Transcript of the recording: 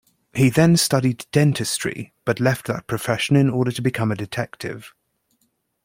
He then studied dentistry, but left that profession in order to become a detective.